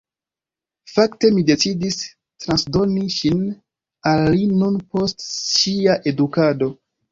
Fakte mi decidis transdoni ŝin al li nun post ŝia edukado.